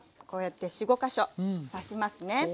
こうやって４５か所刺しますね。